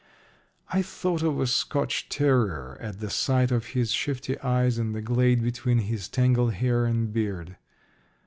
I thought of a Scotch terrier at the sight of his shifty eyes in the glade between his tangled hair and beard.